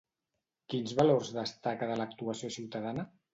Quins valors destaca de l'actuació ciutadana?